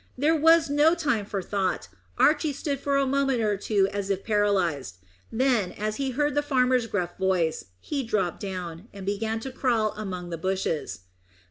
There was no time for thought Archy stood for a moment or two as if paralysed; then, as he heard the farmer's gruff voice, he dropped down, and began to crawl among the bushes.